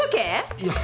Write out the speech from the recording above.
いや。